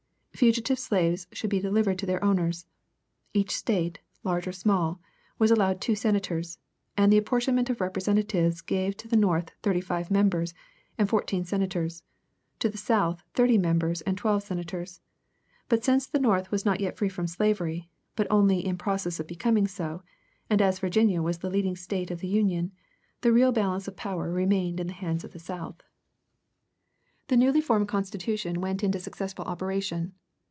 Fugitive slaves should be delivered to their owners. Each State, large or small, was allowed two senators; and the apportionment of representatives gave to the North thirty five members and fourteen senators, to the South thirty members and twelve senators. But since the North was not yet free from slavery, but only in process of becoming so, and as Virginia was the leading State of the Union, the real balance of power remained in the hands of the South. The newly formed Constitution went into successful operation.